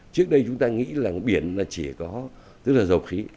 trước đây chúng ta nghĩ là biển chỉ có rất là dầu khí